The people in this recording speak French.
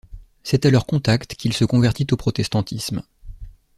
C'est à leur contact qu'il se convertit au protestantisme.